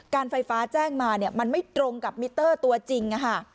การไฟฟ้าแจ้งมามันไม่ตรงกับมิเตอร์ตัวจริง